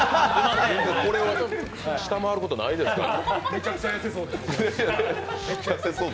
これを下回ることはないですから。